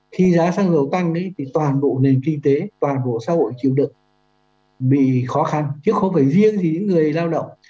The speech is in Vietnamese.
khi giá xăng dầu tăng thì toàn bộ nền kinh tế toàn bộ xã hội chịu đựng bị khó khăn chứ không phải riêng thì những người lao động